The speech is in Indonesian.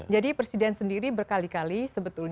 jadi presiden sendiri berkali kali sebetulnya